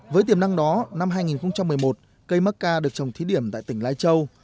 với tiềm năng đó năm hai nghìn một mươi một cây mắc ca được trồng thí điểm tại tỉnh lai châu